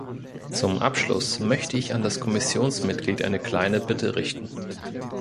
Zum Abschluss möchte ich an das Kommissionsmitglied eine kleine Bitte richten.